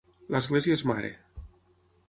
L'església és mare.